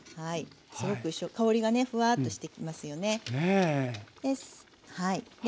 すごく香りがねふわっとしてきますよね。